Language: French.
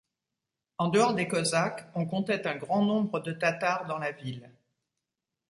En dehors des Cosaques, on comptait un grand nombre de Tatars dans la ville.